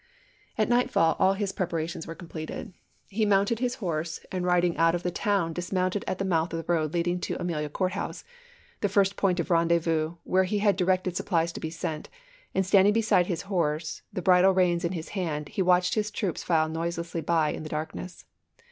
'' At nightfall all his preparations were completed. He mounted his horse, and riding out of the town dismounted at the mouth of the road leading to Amelia Court House, the first point of rendezvous, where he had directed supplies to be sent, and standing beside his horse, the bridle reins in his hand, he watched his troops file noiselessly by in the darkness.